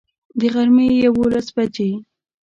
د غرمي یوولس بجي